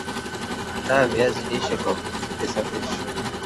Andaa viazi lishe kwa kuvisafisha